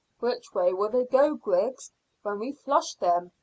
"Which way will they go, Griggs, when we flush them?"